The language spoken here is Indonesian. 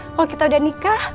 kalau kita udah nikah